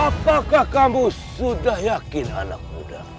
apakah kamu sudah yakin anak muda